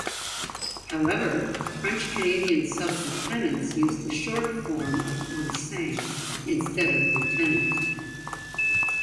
However, French-Canadian sub-lieutenants use the short form of "enseigne" instead of "lieutenant.